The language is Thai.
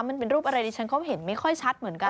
มันเป็นรูปอะไรดิฉันเขาเห็นไม่ค่อยชัดเหมือนกัน